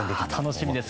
楽しみです。